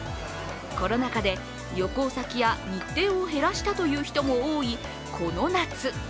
コロナ禍で旅行先や日程を減らした人も多いというこの夏。